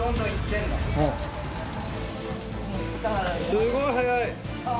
すごい速い。